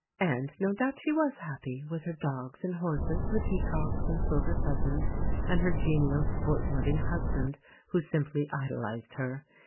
And no doubt she was happy, with her dogs and horses, her peacocks and silver pheasants, and her genial sport loving husband who simply idolised her.